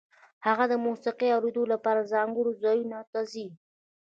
هغه د موسیقۍ اورېدو لپاره ځانګړو ځایونو ته ځي